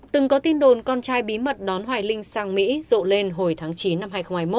từng có tin đồn con trai bí mật đón hoài linh sang mỹ rộ lên hồi tháng chín năm hai nghìn hai mươi một